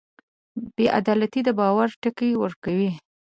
بېعدالتي د باور ټکان ورکوي.